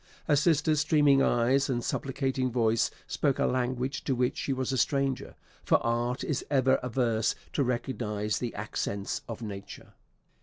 Her sister's streaming eyes and supplicating voice spoke a language to which she was a stranger; for art is ever averse to recognise the accents of nature.